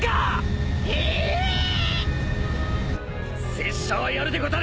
拙者はやるでござる。